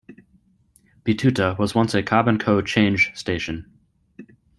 Betoota was once a Cobb and Co change station.